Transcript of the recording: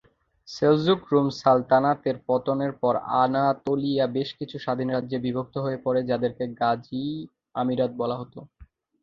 Seljuk Rum সালতানাতের পতনের পর আনাতোলিয়া বেশ কিছু স্বাধীন রাজ্যে বিভক্ত হয়ে পড়ে যাদেরকে গাজি আমিরাত বলা হত।